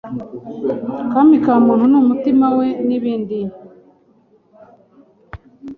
kami ka muntu ni umutima we n’ibindi.